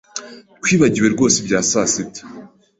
Twibagiwe rwose ibya sasita.